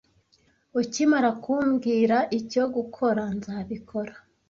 Ukimara kumbwira icyo gukora, nzabikora.